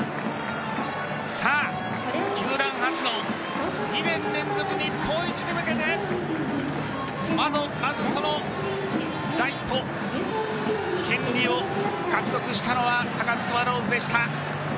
球団初の２年連続日本一に向けてまずその第一歩権利を獲得したのは高津スワローズでした。